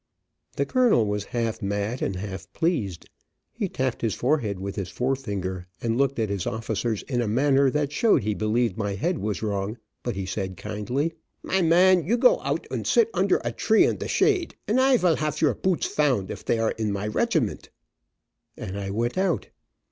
The colonel was half mad and half pleased. He tapped his forehead with his fore finger, and looked at his officers in a manner that showed he believed my head was wrong, but he said kindly: "My man, you go oud and sit under a tree, in the shade, and I vill hafe your poots found if they are in my rechiment," and I went out.